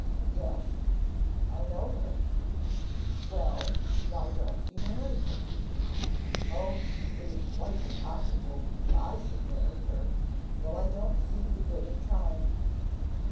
'Yes, I know her.' 'Well, why don't you marry her?' 'Oh, it is quite impossible that I should marry her, so I don't see the good of trying.'